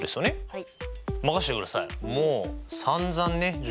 はい。